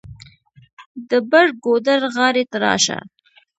د بر ګودر غاړې ته راشه.